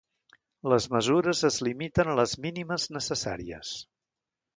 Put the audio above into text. Les mesures es limiten a les mínimes necessàries.